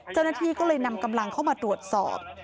เจ้าหน้าที่ก็เลยนำกำลังเข้ามาตรวจสอบ